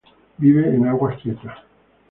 Vive en aguas quietas.